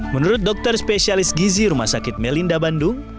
menurut dokter spesialis gizi rumah sakit melinda bandung